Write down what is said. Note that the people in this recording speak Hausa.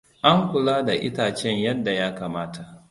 An kula da itacen yadda ya kamata.